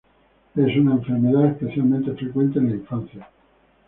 Es una enfermedad especialmente frecuente en la infancia.